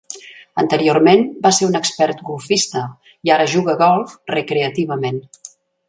Anteriorment va ser un expert golfista, i ara juga a golf recreativament.